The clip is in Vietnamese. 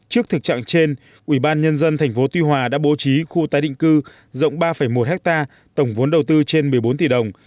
trước thực trạng trên ubnd tp tuy hòa đã bố trí khu tái định cư rộng ba một hectare tổng vốn đầu tư trên một mươi bốn tỷ đồng